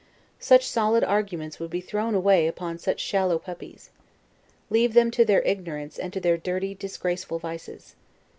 Such solid arguments would be thrown away upon such shallow puppies. Leave them to their ignorance and to their dirty, disgraceful vices.